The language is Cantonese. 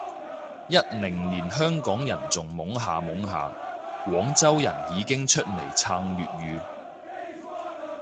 一零年香港人仲懵下懵下，廣州人已經出嚟撐粵語